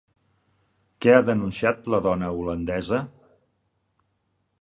Què ha denunciat la dona holandesa?